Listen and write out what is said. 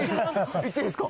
行っていいですか？